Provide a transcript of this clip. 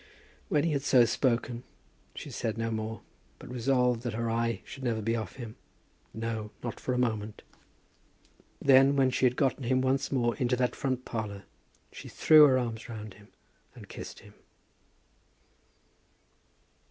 When he had so spoken she said no more, but resolved that her eye should never be off him, no, not for a moment. Then, when she had gotten him once more into that front parlour, she threw her arms round him and kissed him.